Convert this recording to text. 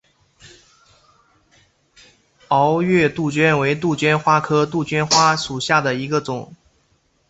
皋月杜鹃为杜鹃花科杜鹃花属下的一个种。